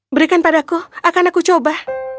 berikan padaku akan aku coba